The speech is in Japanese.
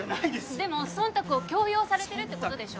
でもそんたくを強要されてるってことでしょ？